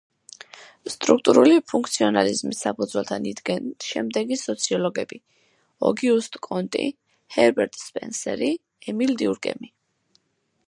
სტრუქტურული ფუნქციონალიზმის საფუძველთან იდგნენ შემდეგი სოციოლოგები: ოგიუსტ კონტი, ჰერბერტ სპენსერი, ემილ დიურკემი.